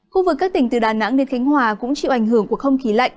khu vực các tỉnh từ đà nẵng đến khánh hòa cũng chịu ảnh hưởng của không khí lạnh